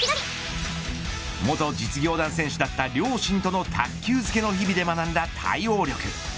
元実業団選手だった両親との卓球漬けの日々で学んだ対応力。